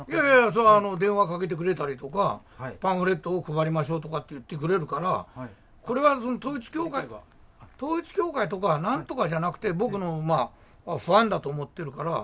それは電話かけてくれたりとか、パンフレットを配りましょうとかって言ってくれるから、これは統一教会とか、なんとかじゃなくて、僕のファンだと思ってるから。